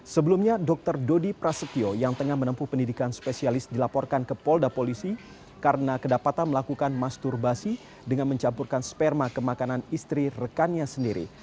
sebelumnya dr dodi prasetyo yang tengah menempuh pendidikan spesialis dilaporkan ke polda polisi karena kedapatan melakukan masturbasi dengan mencampurkan sperma ke makanan istri rekannya sendiri